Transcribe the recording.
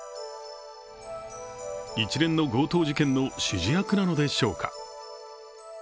一連の強盗事件の指示役なのでしょうか。